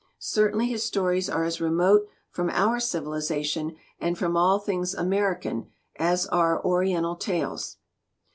Certainly his stories are as remote from our civilization and from all things American as are Oriental tales."